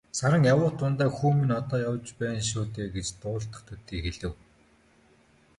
Саран явуут дундаа "Хүү минь одоо явж байгаа шүү дээ" гэж дуулдах төдий хэлэв.